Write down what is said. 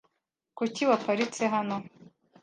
Kuki waparitse hano?